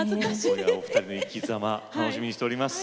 今夜お二人の生きざま楽しみにしております。